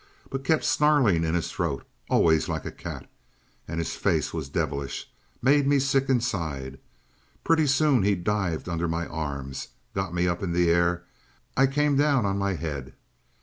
But kept snarling in his throat. Always like a cat. And his face was devilish. Made me sick inside. Pretty soon he dived under my arms. Got me up in the air. I came down on my head.